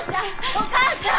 お母ちゃん！